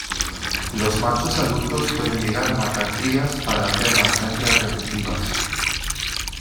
Los machos adultos pueden llegar a matar crías para hacer a las hembras receptivas.